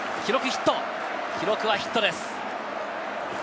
記録はヒットです。